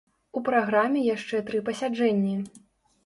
У праграме яшчэ тры пасяджэнні.